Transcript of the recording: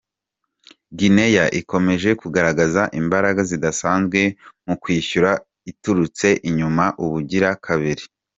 Guinea ikomeje kugaragaza imbaraga zidasanzwe mu kwishyura iturutse inyuma, ubugira kabiri